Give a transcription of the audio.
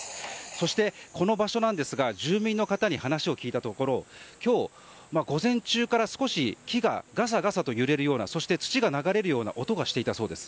そして、この場所ですが住民の方に話を聞いたところ今日、午前中から少し木ががさがさと揺れるようなそして土が流れるような音がしていたそうです。